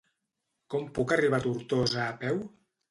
Com puc arribar a Tortosa a peu?